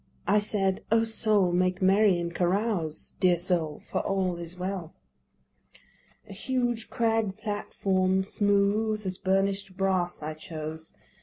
I said, "O Soul, make merry and carouse, Dear soul, for all is well." A huge crag platform, smooth as burnish'd brass, I chose.